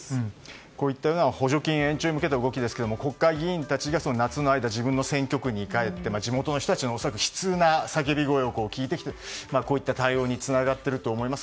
こういった補助金延長に向けた動き国会議員たちが夏の間自分の選挙区に帰って地元の人たちの悲痛な叫び声を聞いてきてこういった対応につながっていると思います。